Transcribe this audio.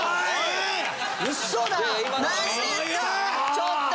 ちょっと！